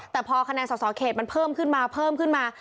แต่พอคะแนนสอเขตมันเพิ่มขึ้นมา